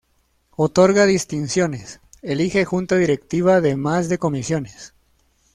Otorga distinciones, elige Junta Directiva además de comisiones.